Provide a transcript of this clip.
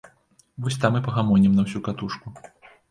Вось там і пагамонім на ўсю катушку.